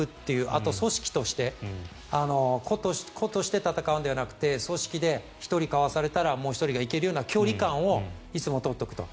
あと、組織として個として戦うのではなくて組織で１人かわされたらもう１人行けるような距離感をいつも取っておくと。